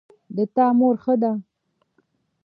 د تا مور ښه ده